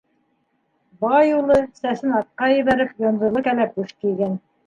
Бай улы, сәсен артҡа ебәреп, йондоҙло кәләпүш кейгән.